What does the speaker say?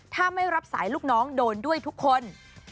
ถ้าไม่รับสายลูกน้องโดนด้วยทุกคน